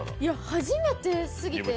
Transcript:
初めてすぎて。